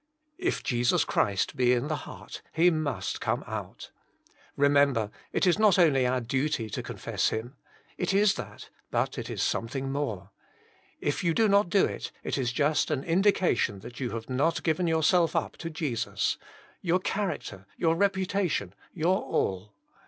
If Jesus Christ be in the heart, He must come out. Remember, it is not only our duty to confess Him ; it is that, but it is something more. If you do not do it, it is just an indica tion .that you have not given yourself up to Jesus ; your character, your repu tation, your all.